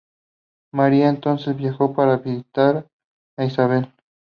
María entonces viajó para visitar a Isabel.